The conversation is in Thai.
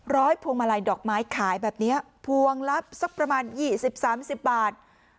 พวงมาลัยดอกไม้ขายแบบเนี้ยพวงลับสักประมาณยี่สิบสามสิบบาท